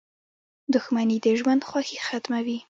• دښمني د ژوند خوښي ختموي.